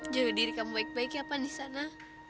jauh diri kamu baik baik ya pan di sana